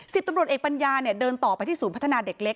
ตำรวจเอกปัญญาเนี่ยเดินต่อไปที่ศูนย์พัฒนาเด็กเล็ก